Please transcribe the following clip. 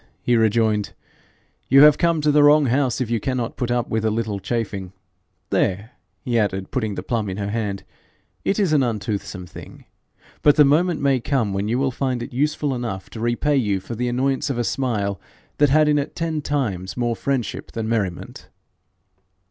he rejoined, 'you have come to the wrong house if you cannot put up with a little chafing. There!' he added, putting the plum in her hand, 'it is an untoothsome thing, but the moment may come when you will find it useful enough to repay you for the annoyance of a smile that had in it ten times more friendship than merriment.'